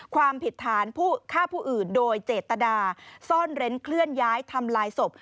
ความผิดฐานผู้ฆ่าผู้อื่นโดยเจตนาซ่อนเร้นเคลื่อนย้ายทำลายศพ